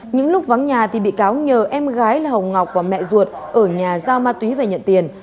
những lúc vắng nhà thì bị cáo nhờ em gái là hồng ngọc và mẹ ruột ở nhà giao ma túy về nhận tiền